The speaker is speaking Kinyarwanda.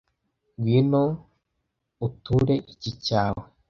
Ngwino uture icyi cyawe,